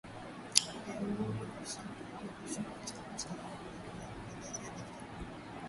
iamua kushangilia ushindi wa chama chao huku wakiwa wamevalia sare za